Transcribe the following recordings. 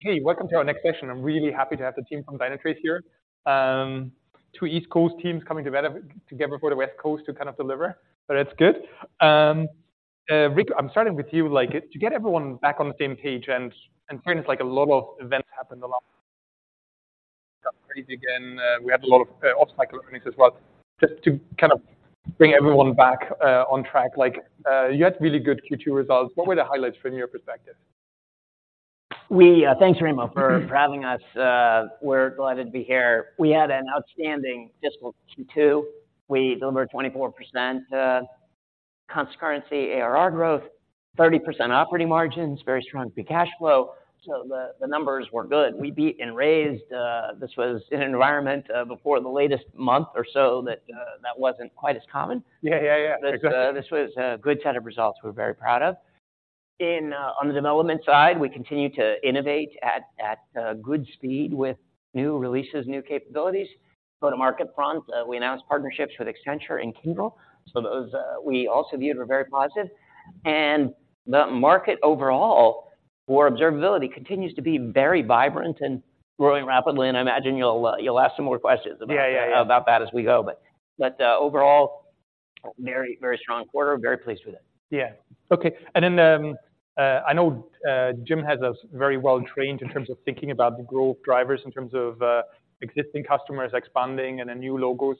Hey, welcome to our next session. I'm really happy to have the team from Dynatrace here. Two East Coast teams coming together for the West Coast to kind of deliver, but that's good. Rick, I'm starting with you. Like, to get everyone back on the same page, and kind of like a lot of events happened a lot. Again, we had a lot of off-cycle earnings as well, just to kind of bring everyone back on track, like you had really good Q2 results. What were the highlights from your perspective? Thanks, Raimo, for having us. We're delighted to be here. We had an outstanding fiscal Q2. We delivered 24%, constant currency, ARR growth, 30% operating margins, very strong free cash flow, so the numbers were good. We beat and raised. This was an environment before the latest month or so that wasn't quite as common. Yeah. Yeah, yeah. This, this was a good set of results we're very proud of. In, on the development side, we continue to innovate at, at, good speed with new releases, new capabilities. Go-to-market front, we announced partnerships with Accenture and Kyndryl. So those, we also viewed were very positive. And the market overall for observability continues to be very vibrant and growing rapidly, and I imagine you'll, you'll ask some more questions about- Yeah, yeah, yeah... about that as we go, but overall, very, very strong quarter. Very pleased with it. Yeah. Okay. And then, I know, Jim has us very well trained in terms of thinking about the growth drivers, in terms of, existing customers expanding and the new logos.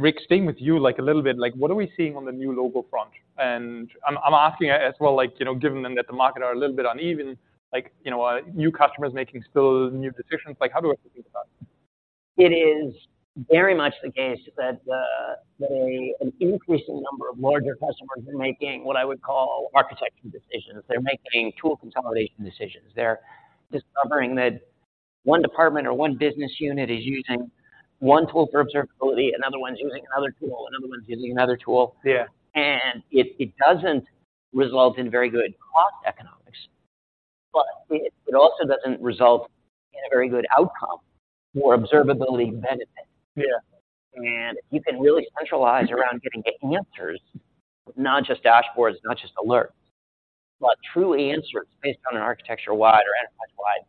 Rick, staying with you, like, a little bit, like, what are we seeing on the new logo front? And I'm, I'm asking as well, like, you know, given then that the market are a little bit uneven, like, you know, new customers making still new decisions, like, how do I think about it? It is very much the case that an increasing number of larger customers are making what I would call architecture decisions. They're making tool consolidation decisions. They're discovering that one department or one business unit is using one tool for observability, another one's using another tool, another one's using another tool. Yeah. It doesn't result in very good cost economics, but it also doesn't result in a very good outcome for observability benefit. Yeah. If you can really centralize around getting the answers, not just dashboards, not just alerts, but true answers based on an architecture-wide or enterprise-wide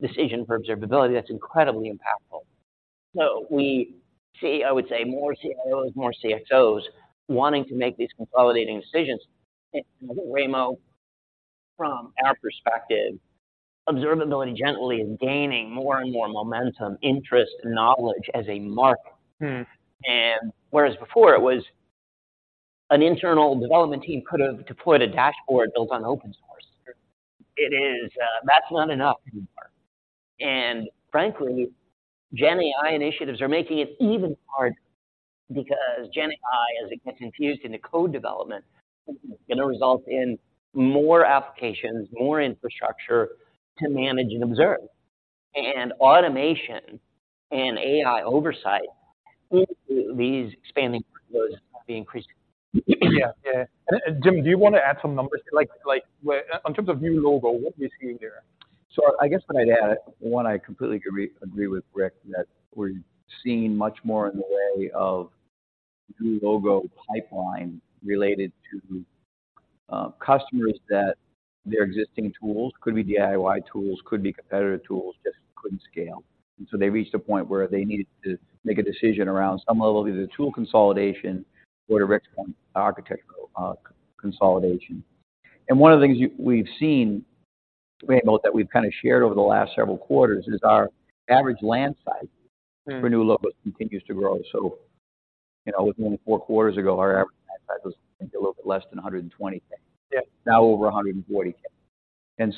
decision for observability, that's incredibly impactful. We see, I would say, more CIOs, more CXOs, wanting to make these consolidating decisions. Raimo, from our perspective, observability generally is gaining more and more momentum, interest, and knowledge as a market. Mm-hmm. Whereas before it was an internal development team could have deployed a dashboard built on open source. It is... That's not enough anymore. Frankly, GenAI initiatives are making it even harder because GenAI, as it gets infused into code development, is gonna result in more applications, more infrastructure to manage and observe. And automation and AI oversight, these expanding workflows will be increased. Yeah. Yeah. And Jim, do you want to add some numbers? Like, where on terms of new logo, what are we seeing here? So I guess what I'd add, one, I completely agree, agree with Rick, that we're seeing much more in the way of new logo pipeline related to customers, that their existing tools, could be DIY tools, could be competitive tools, just couldn't scale. And so they reached a point where they needed to make a decision around some level, either tool consolidation or, to Rick's point, architectural consolidation. And one of the things we've seen, Raimo, that we've kind of shared over the last several quarters is our average land size- Mm-hmm... for new logos continues to grow. So you know, within 4 quarters ago, our average land size was a little bit less than $120K. Yeah. Now over $140K.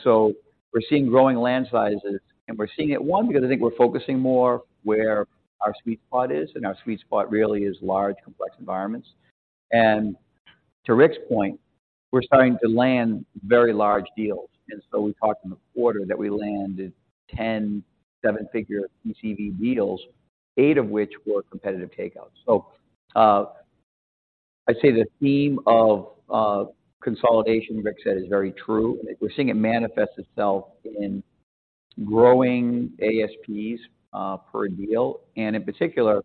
So we're seeing growing land sizes, and we're seeing it, one, because I think we're focusing more where our sweet spot is, and our sweet spot really is large, complex environments. And to Rick's point, we're starting to land very large deals, and so we talked in the quarter that we landed 10 seven-figure TCV deals, eight of which were competitive takeouts. So, I'd say the theme of, consolidation Rick said is very true. We're seeing it manifest itself in growing ASPs, per deal, and in particular,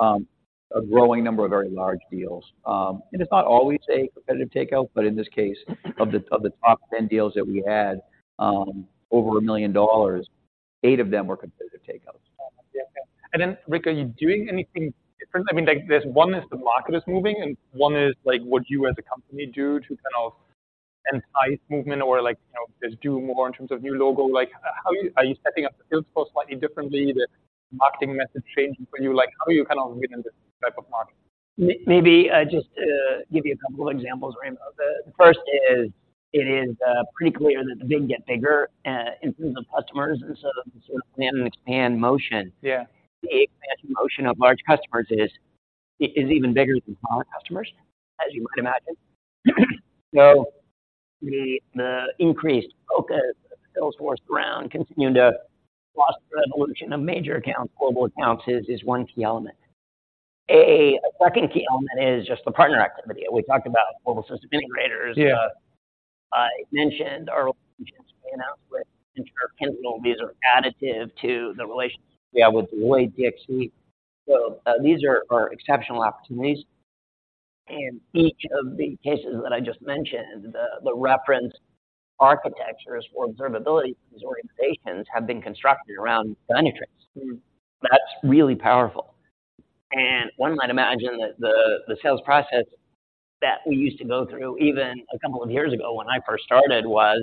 a growing number of very large deals. And it's not always a competitive takeout, but in this case, of the top 10 deals that we had, over $1 million, eight of them were competitive takeouts. Yeah. And then, Rick, are you doing anything different? I mean, like there's one is the market is moving, and one is like, what you as a company do to kind of entice movement or like, you know, just do more in terms of new logo. Like, how are you? Are you setting up the sales force slightly differently, the marketing message changing for you? Like, how are you kind of getting this type of market? Maybe, just to give you a couple of examples, Raimo. The first is, it is, pretty clear that the big get bigger, in terms of customers. And so the expand motion- Yeah. The expansion motion of large customers is even bigger than smaller customers, as you might imagine. So the increased focus, sales force around continuing to foster the evolution of major accounts, global accounts is one key element. A second key element is just the partner activity. We talked about global system integrators. Yeah. I mentioned our announcement with Accenture and Kyndryl. These are additive to the relationships we have with Deloitte, DXC. So, these are exceptional opportunities. In each of the cases that I just mentioned, the reference architectures for observability for these organizations have been constructed around Dynatrace. Mm-hmm. That's really powerful. One might imagine that the sales process that we used to go through, even a couple of years ago when I first started, was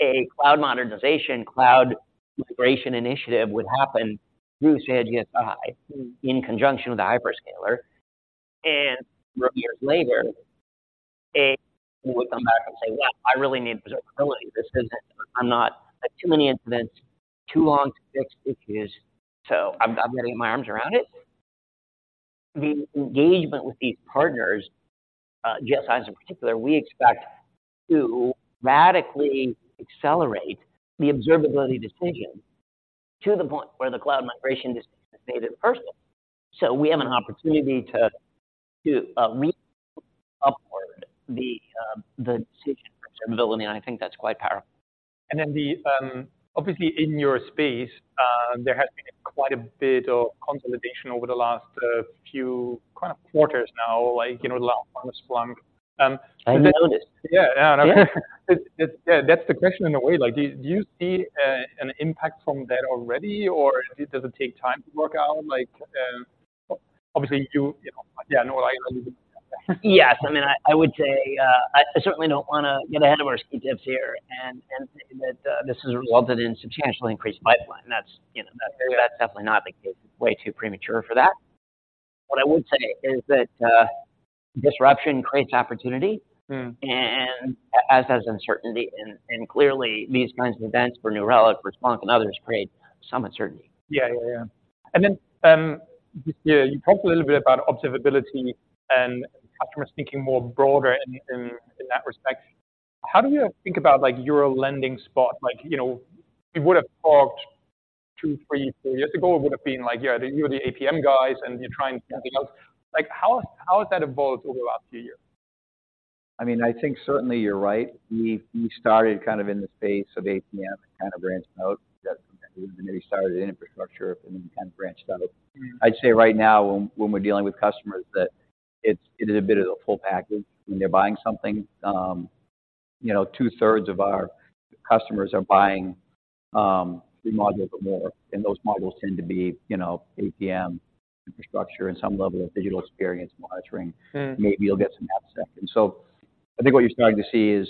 a cloud modernization, cloud migration initiative would happen through say a GSI in conjunction with a hyperscaler, and years later, we would come back and say, "Well, I really need observability. This isn't, I'm not... too many incidents, too long to fix issues, so I've got to get my arms around it." The engagement with these partners, GSIs in particular, we expect to radically accelerate the observability decision to the point where the cloud migration decision is made at first. We have an opportunity to lean upward the decision for observability, and I think that's quite powerful. Obviously, in your space, there has been quite a bit of consolidation over the last few kind of quarters now, like, you know, with Splunk. I noticed. Yeah, yeah. Yeah. Yeah, that's the question in a way, like, do you see an impact from that already, or does it take time to work out? Like, obviously, you know, like, Yes, I mean, I would say, I certainly don't wanna get ahead of our skis here and that this has resulted in substantially increased pipeline. That's, you know, that's definitely not the case. Way too premature for that. What I would say is that disruption creates opportunity- Mm. and as uncertainty, and clearly, these kinds of events for New Relic, for Splunk, and others create some uncertainty. Yeah, yeah, yeah. And then, yeah, you talked a little bit about observability and customers thinking more broader in that respect. How do you think about, like, your landing spot? Like, you know, we would have talked 2, 3, 4 years ago, it would have been like, yeah, you're the APM guys, and you're trying something else. Like, how has that evolved over the last few years? I mean, I think certainly you're right. We started kind of in the space of APM and kind of branched out, that maybe started in infrastructure and then kind of branched out. Mm. I'd say right now, when we're dealing with customers, that it is a bit of a full package when they're buying something. You know, two-thirds of our customers are buying three modules or more, and those modules tend to be, you know, APM, infrastructure, and some level of digital experience monitoring. Mm. Maybe you'll get some AppSec. So I think what you're starting to see is,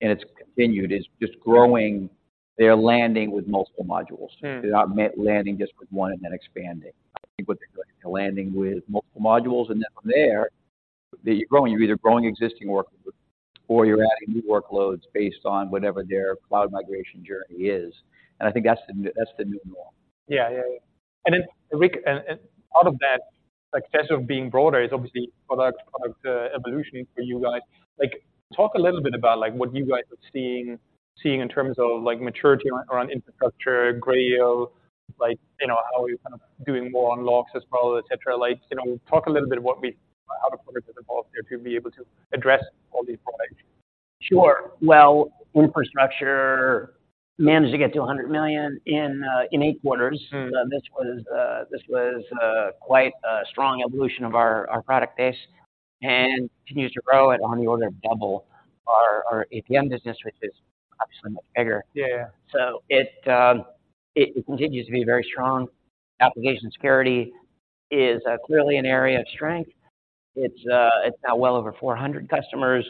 and it's continued, is just growing. They're landing with multiple modules. Mm. They're not landing just with one and then expanding. I think what they're doing, they're landing with multiple modules, and then from there, they're growing. You're either growing existing workloads or you're adding new workloads based on whatever their cloud migration journey is, and I think that's the new, that's the new norm. Yeah, yeah, yeah. And then, Rick, and out of that success of being broader is obviously product evolution for you guys. Like, talk a little bit about, like, what you guys are seeing in terms of, like, maturity around infrastructure, Grail, like, you know, how are you kind of doing more on logs as well, et cetera. Like, you know, talk a little bit how the product has evolved there to be able to address all these products. Sure. Well, infrastructure managed to get to $100 million in eight quarters. Mm. This was quite a strong evolution of our product base and continues to grow at on the order of double our APM business, which is obviously much bigger. Yeah. So it continues to be very strong. Application security is clearly an area of strength. It's now well over 400 customers.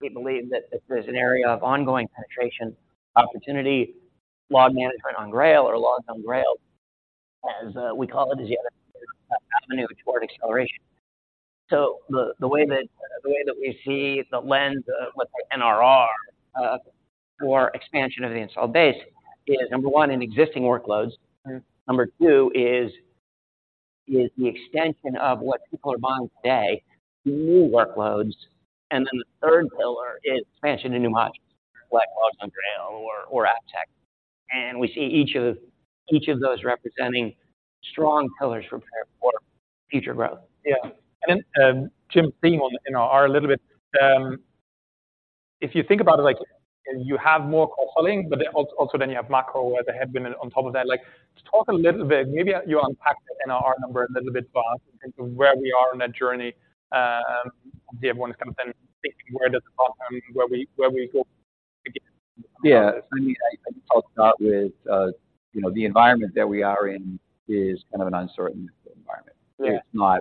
We believe that there's an area of ongoing penetration, opportunity, log management on Grail or Logs on Grail, as we call it, is the other avenue toward acceleration. So the way that we see the lens with the NRR for expansion of the installed base is, number one, in existing workloads. Mm. Number two is the extension of what people are buying today, new workloads, and then the third pillar is expansion to new modules, like Logs on Grail or AppSec. And we see each of those representing strong pillars for future growth. Yeah. And, Jim, theme on, you know, are a little bit... If you think about it, like, you have more cross-selling, but also then you have macro where they have been on top of that. Like, just talk a little bit, maybe you unpack the NRR number a little bit, but where we are on that journey, obviously everyone is kind of then thinking, where does it come from, where we, where we go again? Yeah, I mean, I'll start with, you know, the environment that we are in is kind of an uncertain environment. Yeah. It's not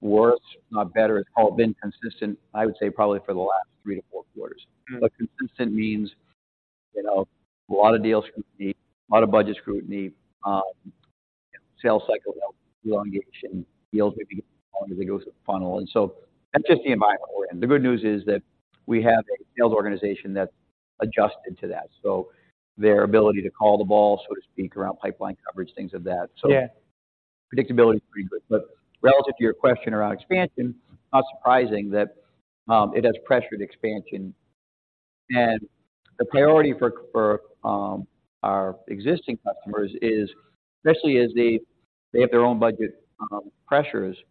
worse, not better. It's all been consistent, I would say, probably for the last 3-4 quarters. Mm. Consistent means, you know, a lot of deal scrutiny, a lot of budget scrutiny, sales cycle elongation, deals maybe get longer as they go through the funnel, and so that's just the environment we're in. The good news is that we have a sales organization that's adjusted to that, so their ability to call the ball, so to speak, around pipeline coverage, things of that- Yeah. So predictability is pretty good. But relative to your question around expansion, not surprising that it has pressured expansion. And the priority for our existing customers is, especially as they have their own budget pressures,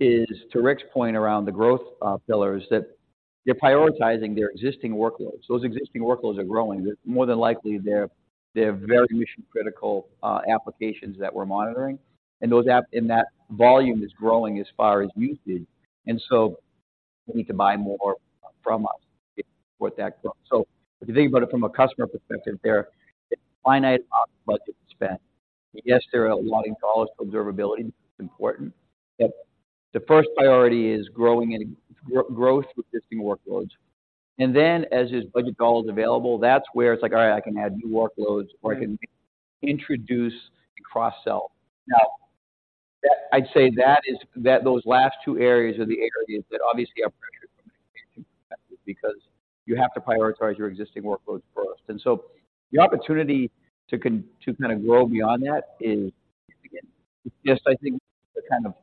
to Rick's point around the growth pillars. They're prioritizing their existing workloads. Those existing workloads are growing. More than likely, they're very mission-critical applications that we're monitoring, and those applications and that volume is growing as far as usage, and so they need to buy more from us to support that growth. So if you think about it from a customer perspective, there are a finite amount of budget to spend. Yes, there are a lot of dollars for observability, it's important, but the first priority is growth with existing workloads. And then, as there's budget dollars available, that's where it's like, all right, I can add new workloads, or I can introduce and cross-sell. Now, that, I'd say that is, that those last two areas are the areas that obviously are pressured from an expansion perspective, because you have to prioritize your existing workloads first. And so the opportunity to kind of grow beyond that is significant. It's just, I think, the kind of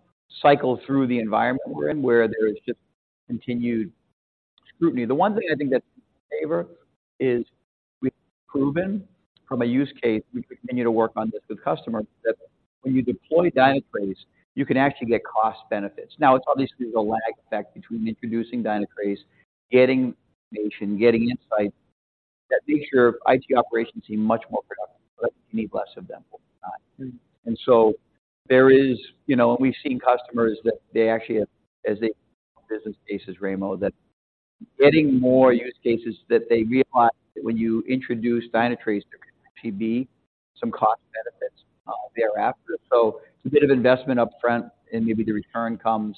cycle through the environment we're in, where there is just continued scrutiny. The one thing I think that's in favor is we've proven from a use case, we continue to work on this with customers, that when you deploy Dynatrace, you can actually get cost benefits. Now, it's obviously there's a lag effect between introducing Dynatrace, getting information, getting insight that makes your IT operations seem much more productive, but you need less of them over time. Mm-hmm. And so there is, you know, and we've seen customers that they actually, as they business cases, Raimo, that getting more use cases that they realize that when you introduce Dynatrace, there can actually be some cost benefits thereafter. So it's a bit of investment upfront, and maybe the return comes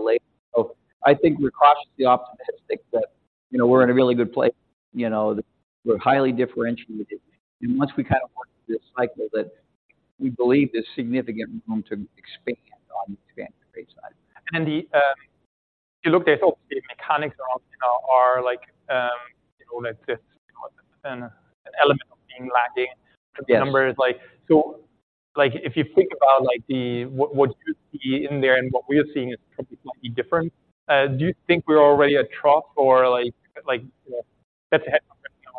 later. So I think we're cautiously optimistic that, you know, we're in a really good place, you know, that we're highly differentiated. And once we kind of work through this cycle, that we believe there's significant room to expand on the expansion side. And the, if you look at obviously the mechanics are, you know, are like, you know, like this, an element of being lagging- Yes. The number is like... So like, if you think about, like, the, what, what you see in there and what we are seeing is probably slightly different, do you think we're already at trough or like, like, you know, that's ahead?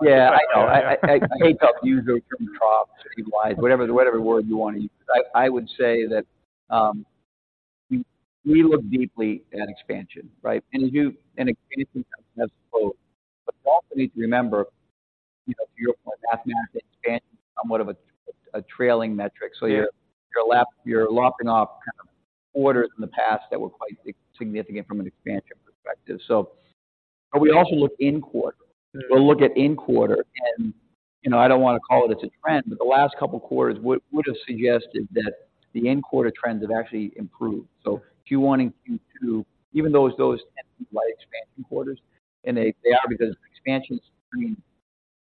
Yeah, I know. I hate to use the term trough, whatever word you want to use. I would say that we look deeply at expansion, right? And expansion has slowed. But we also need to remember, you know, from your point, mathematical expansion is somewhat of a trailing metric. Yeah. So you're lopping off kind of orders in the past that were quite significant from an expansion perspective. So but we also look in quarter. Yeah. We'll look at in-quarter and, you know, I don't want to call it it's a trend, but the last couple of quarters would have suggested that the in-quarter trends have actually improved. So Q1 and Q2, even though those tend to be light expansion quarters, and they are because expansions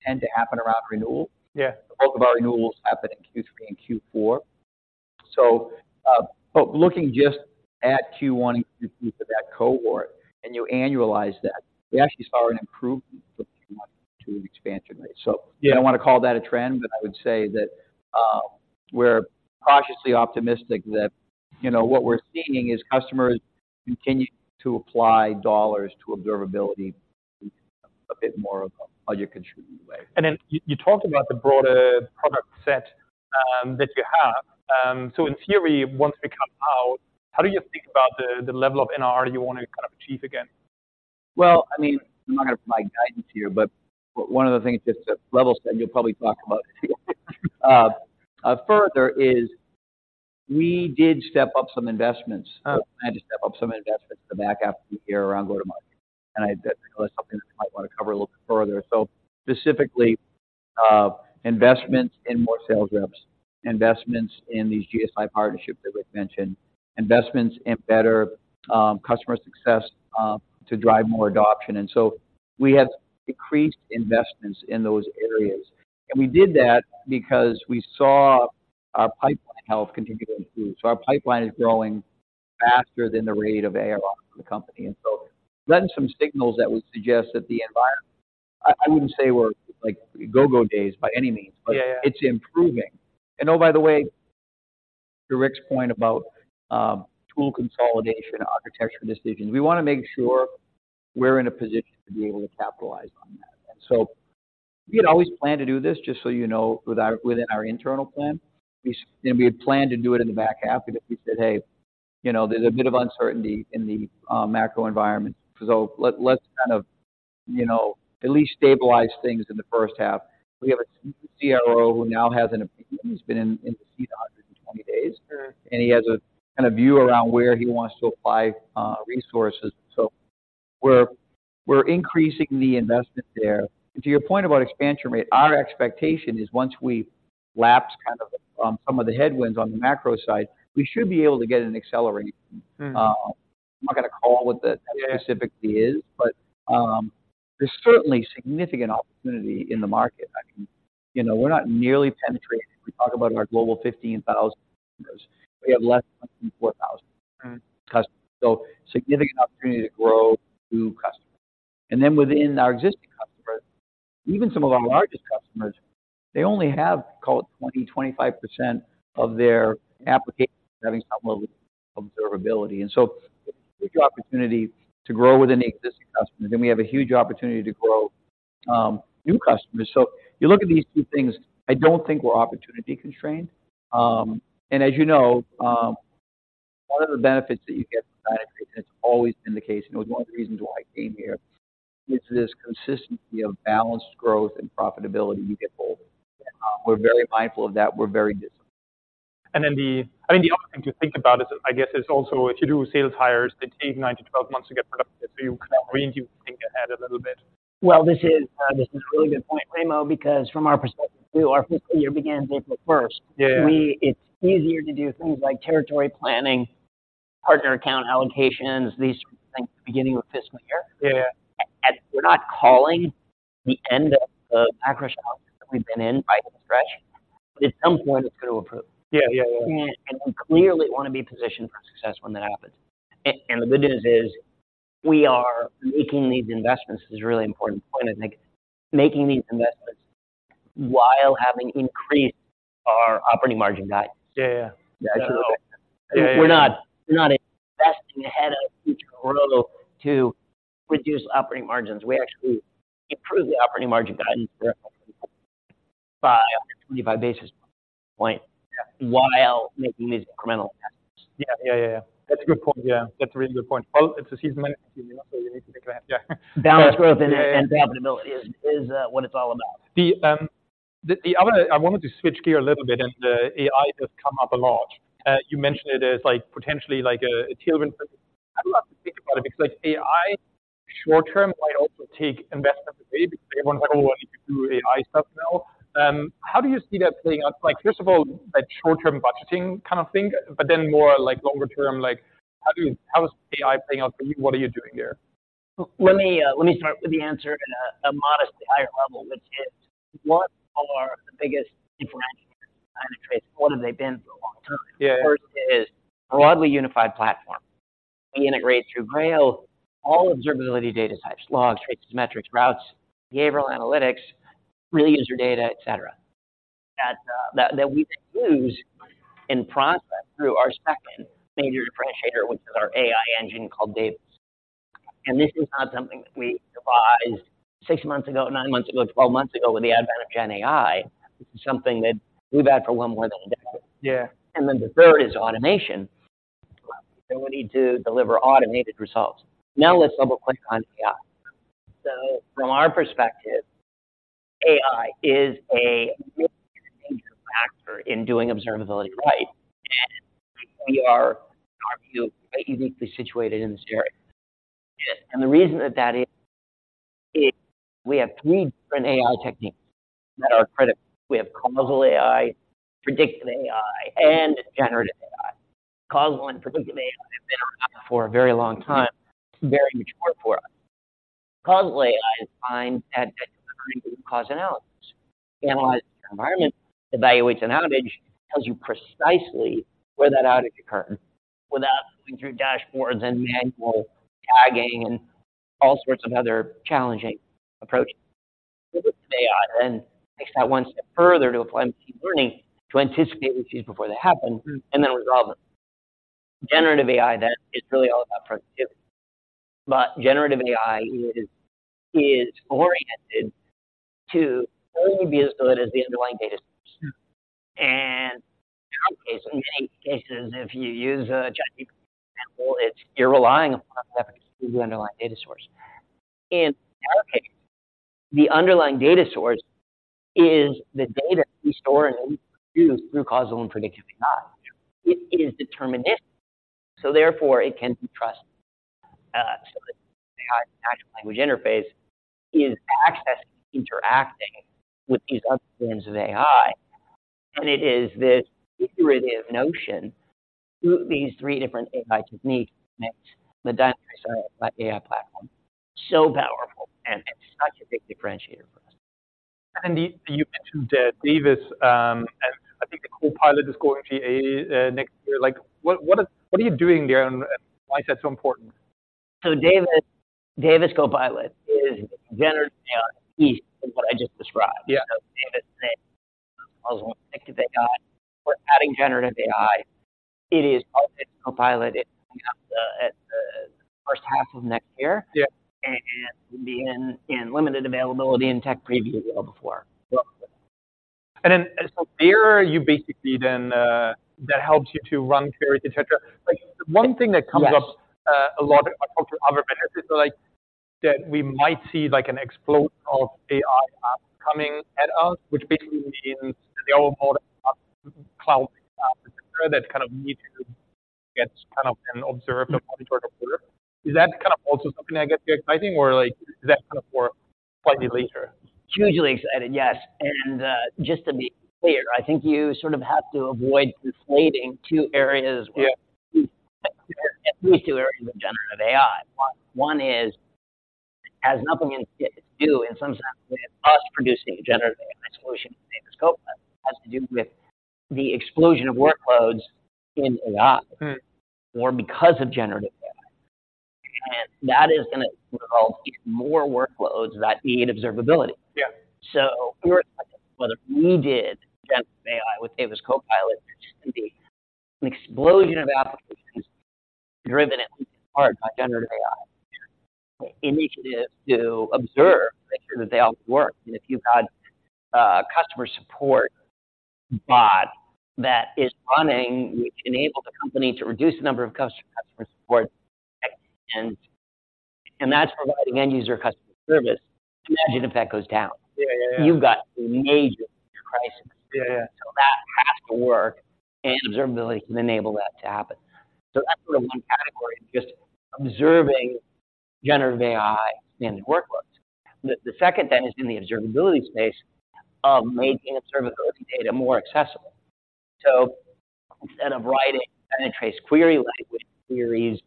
tend to happen around renewal. Yeah. Both of our renewals happen in Q3 and Q4. So, but looking just at Q1 and Q2 for that cohort, and you annualize that, we actually saw an improvement from Q1 to expansion rate. Yeah. So I don't want to call that a trend, but I would say that, we're cautiously optimistic that, you know, what we're seeing is customers continuing to apply dollars to observability a bit more of a budget-contributed way. And then you talked about the broader product set that you have. So in theory, once we come out, how do you think about the level of NR you want to kind of achieve again? Well, I mean, I'm not going to provide guidance here, but one of the things, just to level set, you'll probably talk about it too. Further is we did step up some investments. Oh. We had to step up some investments in the back half of the year around go-to-market, and I think that's something that we might want to cover a little further. So specifically, investments in more sales reps, investments in these GSI partnerships that Rick mentioned, investments in better customer success to drive more adoption. And so we have decreased investments in those areas. And we did that because we saw our pipeline health continue to improve. So our pipeline is growing faster than the rate of ARR on the company. And so then some signals that would suggest that the environment, I wouldn't say we're like go, go days by any means- Yeah, yeah. But it's improving. And oh, by the way, to Rick's point about tool consolidation, architectural decisions, we want to make sure we're in a position to be able to capitalize on that. So we had always planned to do this, just so you know, within our internal plan. We, and we had planned to do it in the back half, but then we said, "Hey, you know, there's a bit of uncertainty in the macro environment, so let's kind of, you know, at least stabilize things in the first half." We have a new CRO who now has an—he's been in the seat 120 days. Sure. - and he has a kind of view around where he wants to apply, resources. So we're, we're increasing the investment there. To your point about expansion rate, our expectation is once we lapse kind of, some of the headwinds on the macro side, we should be able to get an acceleration. Mm. I'm not gonna call what that specifically is- Yeah. but, there's certainly significant opportunity in the market. I can... You know, we're not nearly penetrating. We talk about our global 15,000 customers. We have less than 4,000- Mm. -customers. So significant opportunity to grow new customers. And then within our existing customers, even some of our largest customers, they only have, call it 20-25% of their applications having some level of observability. And so a huge opportunity to grow within the existing customers, then we have a huge opportunity to grow new customers. So you look at these two things, I don't think we're opportunity constrained. And as you know,... One of the benefits that you get from Dynatrace, and it's always been the case, and it was one of the reasons why I came here, is this consistency of balanced growth and profitability you get both. We're very mindful of that. We're very disciplined. Then the... I mean, the other thing to think about is, I guess, is also if you do sales hires, they take 9-12 months to get productive, so you kind of really need to think ahead a little bit. Well, this is a really good point, Raimo, because from our perspective, too, our fiscal year begins April first. Yeah, yeah. It's easier to do things like territory planning, partner account allocations, these things at the beginning of a fiscal year. Yeah. We're not calling the end of the macro challenges that we've been in by any stretch. At some point, it's going to improve. Yeah. Yeah, yeah. And we clearly want to be positioned for success when that happens. And the good news is we are making these investments. This is a really important point, I think. Making these investments while having increased our operating margin guidance. Yeah, yeah. Yeah, I know. We're not, we're not investing ahead of future growth to reduce operating margins. We actually improved the operating margin guidance by 125 basis points while making these incremental investments. Yeah. Yeah, yeah, yeah. That's a good point. Yeah, that's a really good point. Well, it's a season management, so you need to think ahead. Yeah. Balanced growth and profitability is what it's all about. I wanted to switch gear a little bit, and AI has come up a lot. You mentioned it as, like, potentially like a tailwind. I'd like to think about it because, like, AI short term might also take investment away because everyone's like, "Oh, I need to do AI stuff now." How do you see that playing out? Like, first of all, like short-term budgeting kind of thing, but then more like longer term, like, how do you - how is AI playing out for you? What are you doing here? Let me start with the answer at a modestly higher level, which is, what are the biggest differentiators at Dynatrace, and what have they been for a long time? Yeah, yeah. First is a broadly unified platform. We integrate through Grail all observability data types, logs, traces, metrics, routes, behavioral analytics, real user data, et cetera, that we use in process through our second major differentiator, which is our AI engine called Davis. And this is not something that we devised six months ago, nine months ago, 12 months ago, with the advent of GenAI. This is something that we've had for well more than a decade. Yeah. Then the third is automation. We need to deliver automated results. Now, let's double-click on AI. So from our perspective, AI is a really major factor in doing observability right, and we are, in our view, quite uniquely situated in this area. The reason that that is, is we have three different AI techniques that are critical. We have causal AI, predictive AI, and generative AI. causal AI and Predictive AI have been around for a very long time, very mature for us. causal AI is fine at determining cause and analysis. Analyzing your environment, evaluates an outage, tells you precisely where that outage occurred without going through dashboards and manual tagging and all sorts of other challenging approaches. AI then takes that one step further to apply machine learning to anticipate issues before they happen and then resolve them. Generative AI, then, is really all about productivity. But generative AI is oriented to only be as good as the underlying data source. Mm-hmm. In our case, in many cases, if you use a ChatGPT, it's—you're relying upon the underlying data source. In our case, the underlying data source is the data we store and we produce through causal and predictive AI. It is deterministic, so therefore it can be trusted. So the natural language interface is accessing, interacting with these other forms of AI, and it is this iterative notion through these three different AI techniques makes the Dynatrace AI platform so powerful, and it's such a big differentiator for us. You, you mentioned Davis, and I think the Copilot is going GA next year. Like, what, what, what are you doing there, and why is that so important? Davis, Davis Copilot is the generative AI piece of what I just described. Yeah. Davis is causal AI and predictive AI. We're adding generative AI. It is called Davis Copilot. It's coming out at the first half of next year. Yeah. And be in limited availability in tech preview well before. And then, so there you basically then, that helps you to run queries, et cetera. Yes. Like, one thing that comes up a lot from other vendors is, like, that we might see, like, an explosion of AI apps coming at us, which basically means the old model, cloud, et cetera, that kind of need to get kind of an observed or monitored order. Is that kind of also something I get you exciting, or like, is that kind of more slightly later? Hugely excited, yes. Just to be clear, I think you sort of have to avoid conflating two areas- Yeah... at least two areas of Generative AI. One is, it has nothing to do, in some sense, with us producing a Generative AI solution in scope. It has to do with the explosion of workloads in AI- Mm-hmm or because of Generative AI. That is gonna result in more workloads that need observability. Yeah. So we were whether we did Generative AI with Davis Copilot, and just the explosion of applications driven at least in part by Generative AI initiatives to observe, make sure that they all work. And if you've got a customer support bot that is running, which enables the company to reduce the number of customer support, and that's providing end-user customer service, imagine if that goes down. Yeah, yeah, yeah. You've got a major crisis. Yeah. So that has to work, and observability can enable that to happen. So that's sort of one category, just observing Generative AI in the workloads. The second thing is in the observability space, making observability data more accessible. So instead of writing Dynatrace Query Language queries,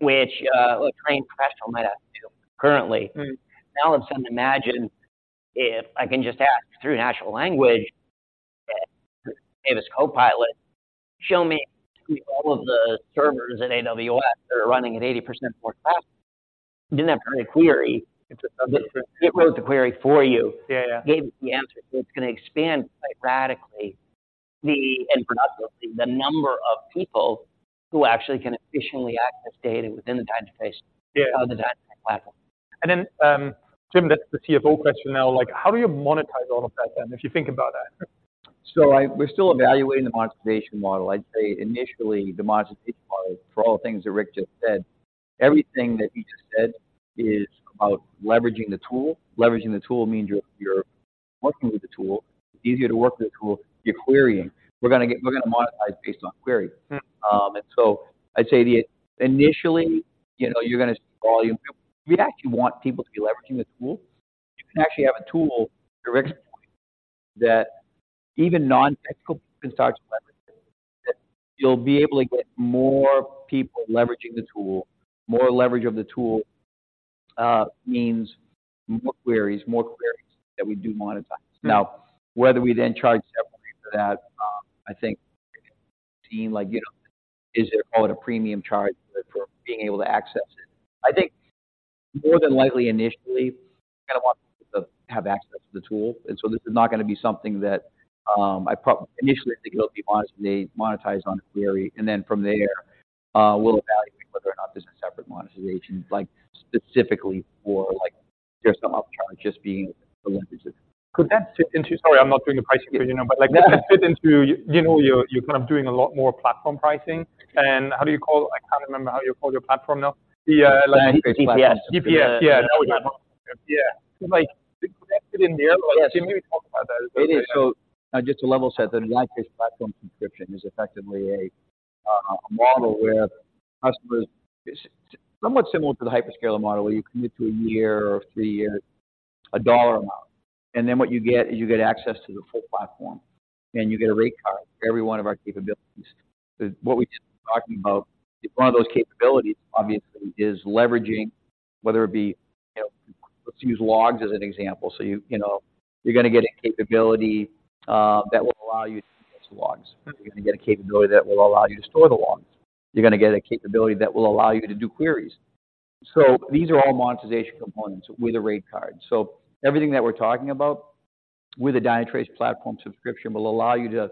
which a trained professional might have to currently- Mm. Now all of a sudden, imagine if I can just ask through natural language, Davis CoPilot, show me all of the servers in AWS that are running at 80% or faster. You didn't have to write a query. It's a- It wrote the query for you. Yeah, yeah. Gave you the answer. It's going to expand quite radically the, and productively, the number of people who actually can efficiently access data within the Dynatrace- Yeah of the Dynatrace platform. Then, Jim, that's the CFO question now, like, how do you monetize all of that then, if you think about that? We're still evaluating the monetization model. I'd say initially, the monetization model, for all the things that Rick just said, everything that he just said is about leveraging the tool. Leveraging the tool means you're, you're working with the tool, easier to work with the tool, you're querying. We're gonna get, we're gonna monetize based on query. Mm. And so I'd say the, initially, you know, you're gonna see volume. We actually want people to be leveraging the tool. You can actually have a tool, to Rick's point, that even non-technical can start to leverage it. You'll be able to get more people leveraging the tool. More leverage of the tool means more queries, more queries that we do monetize. Mm. Now, whether we then charge separately for that, I think, seems like, you know, is it all at a premium charge for, for being able to access it? I think more than likely, initially, I want to have access to the tool, and so this is not going to be something that, initially, I think it'll be monetized, monetized on a query, and then from there, we'll evaluate whether or not there's a separate monetization, like, specifically for, like, just some upcharge, just being able to leverage it. Could that fit into... Sorry, I'm not doing the pricing, but, you know, but, like- Yeah Does that fit into, you know, you're, you're kind of doing a lot more platform pricing? Okay. How do you call-- I can't remember how you call your platform now. The, like- DPS. DPS, yeah, there we go. Yeah. Like, connected in the other way. Jim, you talk about that as well. It is. So just to level set, the Dynatrace Platform Subscription is effectively a model where customers, somewhat similar to the hyperscaler model, where you commit to 1 year or 3 years, a dollar amount, and then what you get is you get access to the full platform, and you get a rate card for every one of our capabilities. What we just talking about, one of those capabilities, obviously, is leveraging, whether it be, you know, let's use logs as an example. So you know, you're gonna get a capability that will allow you to use the logs. Mm. You're gonna get a capability that will allow you to store the logs. You're gonna get a capability that will allow you to do queries. So these are all monetization components with a rate card. So everything that we're talking about with a Dynatrace platform subscription will allow you to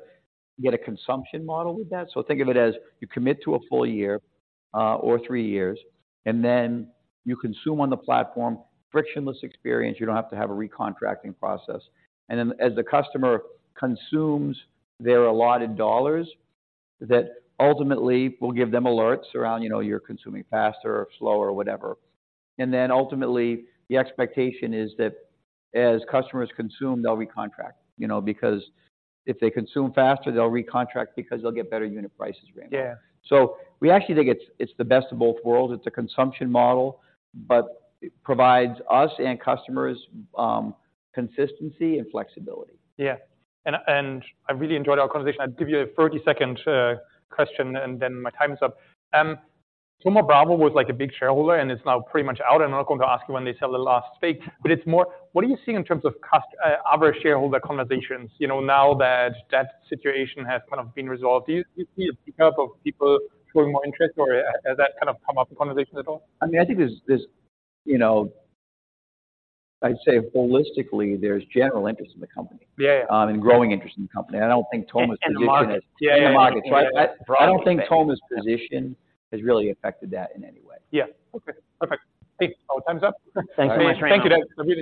get a consumption model with that. So think of it as you commit to a full year or three years, and then you consume on the platform, frictionless experience, you don't have to have a recontracting process. And then as the customer consumes their allotted dollars, that ultimately will give them alerts around, you know, you're consuming faster, or slower, or whatever. And then ultimately, the expectation is that as customers consume, they'll recontract, you know, because if they consume faster, they'll recontract because they'll get better unit prices ramp. Yeah. We actually think it's the best of both worlds. It's a consumption model, but it provides us and customers consistency and flexibility. Yeah. I really enjoyed our conversation. I'll give you a 30-second question, and then my time is up. Thoma Bravo was, like, a big shareholder, and it's now pretty much out. I'm not going to ask you when they sell the last stake, but it's more, what are you seeing in terms of other shareholder conversations, you know, now that that situation has kind of been resolved? Do you see a pickup of people showing more interest, or has that kind of come up in conversations at all? I mean, I think there's, you know... I'd say holistically, there's general interest in the company. Yeah, yeah. Growing interest in the company. I don't think Thoma's position is- The market. Yeah, yeah. The market. So I don't think Thoma's position has really affected that in any way. Yeah. Okay, perfect. Hey, our time's up. Thanks very much. Thank you, guys. I really appreciate it.